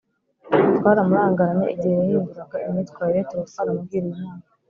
twaramurangaranye. igihe yahinduraga imyitwarire, tuba twaramugiriye inama